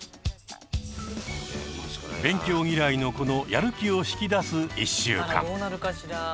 勉強嫌いの子のやる気を引き出す１週間。